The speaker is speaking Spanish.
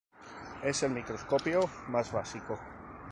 Es el microscopio más básico.